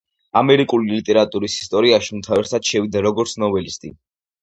ამერიკული ლიტერატურის ისტორიაში უმთავრესად შევიდა როგორც ნოველისტი.